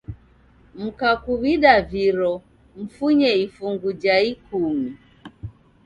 Mkakuw'ida viro, mfunye ifungu jha ikumi